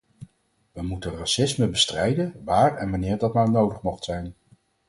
We moeten racisme bestrijden, waar en wanneer dat maar nodig mocht zijn.